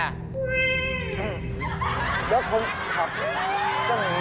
แล้วคงขับ